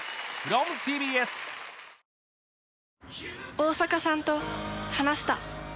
大坂さんと話した。